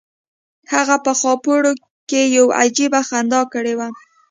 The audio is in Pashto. هغه په خاپوړو کې یو عجیب خندا کړې وه